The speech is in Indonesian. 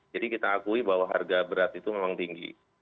jadi kita akui bahwa harga berat itu memang tinggi